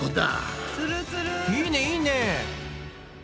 いいねいいね！